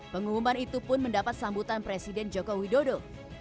pengumuman itu pun mendapat sambutan presiden jokowi dodo